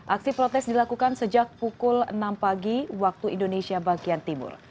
aksi protes dilakukan sejak pukul enam pagi waktu indonesia bagian timur